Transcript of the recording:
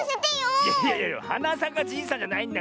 いやいやはなさかじいさんじゃないんだから。